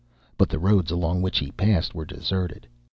But the roads along which he passed were deserted.